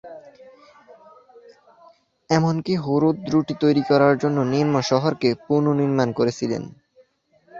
এমনকি হেরোদ রুটি তৈরি করার জন্য নিম্ন শহরকে পুনর্নিমাণ করেছিলেন।